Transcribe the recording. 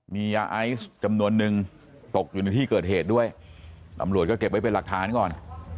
มียาไอซ์จำนวนนึงตกอยู่ในที่เกิดเหตุด้วยตำรวจก็เก็บไว้เป็นหลักฐานก่อน